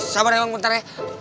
sabar emang bentar ya